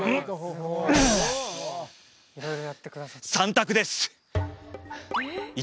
３択です！